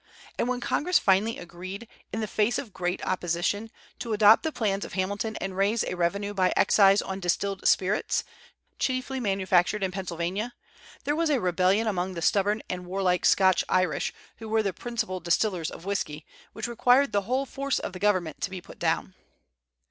And when Congress finally agreed, in the face of great opposition, to adopt the plans of Hamilton and raise a revenue by excise on distilled spirits, manufactured chiefly in Pennsylvania, there was a rebellion among the stubborn and warlike Scotch Irish, who were the principal distillers of whiskey, which required the whole force of the government to put down.